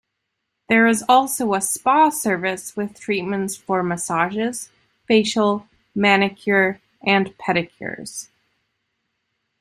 There is also a spa service with treatments for massages, facial, manicure and pedicures.